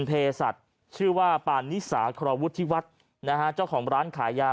เพศัตริย์ชื่อว่าปานิสาครวุฒิวัฒน์นะฮะเจ้าของร้านขายยา